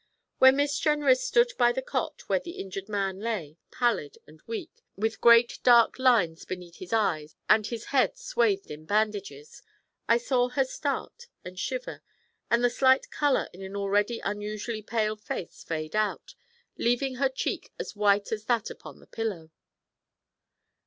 When Miss Jenrys stood by the cot where the injured man lay, pallid and weak, with great dark lines beneath his eyes and his head swathed in bandages, I saw her start and shiver, and the slight colour in an already unusually pale face fade out, leaving her cheek as white as that upon the pillow.